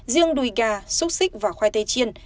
riêng đùi gà xúc xích và khoai tây chiên